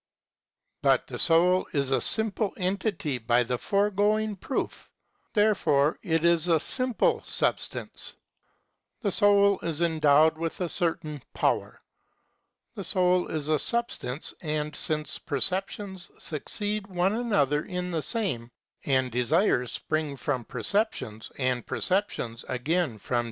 But the soul is a simple entity by the foregoing proof. There fore it is a simple substance. § 53. The soul is endowed with a certain power. The soul is a substance (§ 48), and since perceptions succeed one another in the same, and desires spring from perceptions, and perceptions * From Christian von Wolff's Psychologia rationalis. Francof.